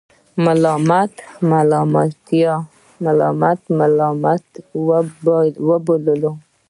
ملامت یې ملامت وبللو.